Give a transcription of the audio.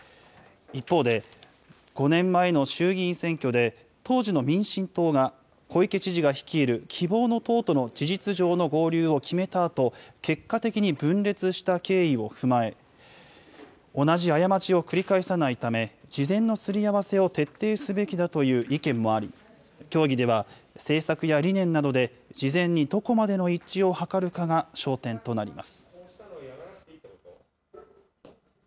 一方で、５年前の衆議院選挙で、当時の民進党が、小池知事が率いる希望の党との事実上の合流を決めたあと、結果的に分裂した経緯を踏まえ、同じ過ちを繰り返さないため、事前のすり合わせを徹底すべきだという意見もあり、協議では、政策や理念などで事前にどこまでの一致を図るかが焦点となります。